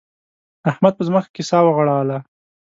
احمد په ځمکه کې سا وغوړوله.